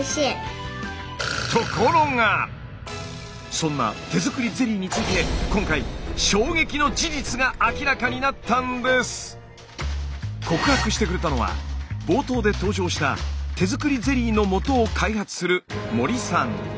そんな手作りゼリーについて今回告白してくれたのは冒頭で登場した手作りゼリーの素を開発する森さん。